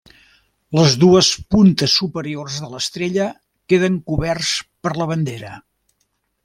Les dues puntes superiors de l'estrella queden coberts per la bandera.